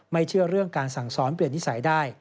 เชื่อเรื่องการสั่งสอนเปลี่ยนนิสัยได้